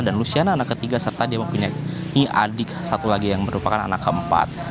dan lusiana anak ketiga serta dia mempunyai adik satu lagi yang merupakan anak keempat